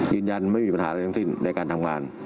ยืนยันไม่มีปัญหาอะไรทั้งสิ้นในการทำงาน